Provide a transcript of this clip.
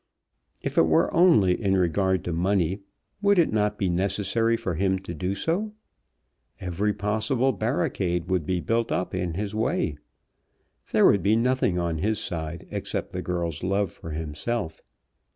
If it were only in regard to money would it not be necessary for him to do so? Every possible barricade would be built up in his way. There would be nothing on his side except the girl's love for himself.